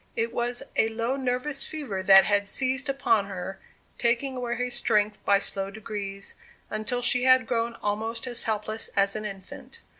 It was a low nervous fever that had seized upon her, taking away her strength by slow degrees, until she had grown almost as helpless as an infant.